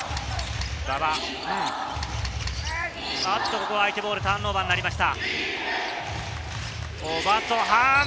ここはターンオーバーになりました。